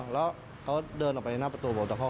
แล้วเขาเดินออกไปในหน้าประตูบอกว่า